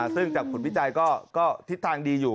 ซึ่งจากคุณวิจัยก็ทิศทางดีอยู่